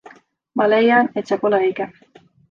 Ma leian, et see pole õige.